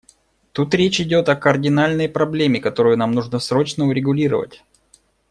Тут речь идет о кардинальной проблеме, которую нам нужно срочно урегулировать.